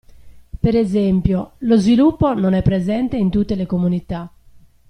Per esempio, lo sviluppo non è presente in tutte le comunità.